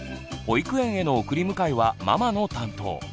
保育園への送り迎えはママの担当。